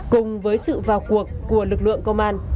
cùng với sự vào cuộc của lực lượng công an